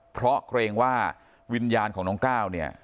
เพราะเกรงว่าวิญญาณของน้องก้าวเนี่ย